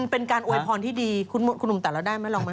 เป็นการอวยพรที่ดีคุณหนุ่มตัดเราได้ไหมลองไหม